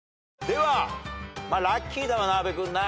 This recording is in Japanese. ではラッキーだわな阿部君な。